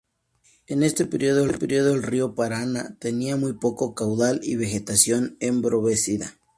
En este período el Río Paraná tenía muy poco caudal y vegetación empobrecida.